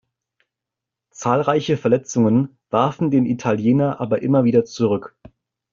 Zahlreiche Verletzungen warfen den Italiener aber immer wieder zurück.